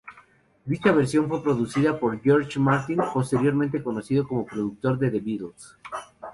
Dicha versión fue producida por George Martin, posteriormente conocido como productor de The Beatles.